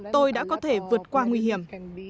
tôi đã có thể vượt qua nguy hiểm